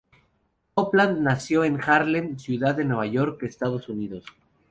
Copeland nació en Harlem, Ciudad de Nueva York, Estados Unidos.